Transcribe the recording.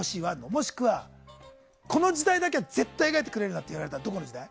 もしくはこの時代は絶対に描いてくれるなって言われたら、どこの時代？